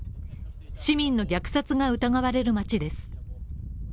市民の虐殺が疑われる町です。